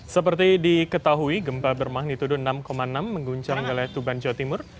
seperti diketahui gempa bermagnitudo enam enam mengguncang wilayah tuban jawa timur